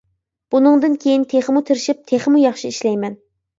بۇنىڭدىن كېيىن تېخىمۇ تىرىشىپ، تېخىمۇ ياخشى ئىشلەيمەن.